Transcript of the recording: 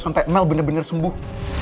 sampai mel benar benar sembuh